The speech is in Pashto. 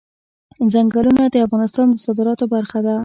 ځنګلونه د افغانستان د صادراتو برخه ده.